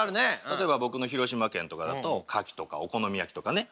例えば僕の広島県とかだとカキとかお好み焼きとかね。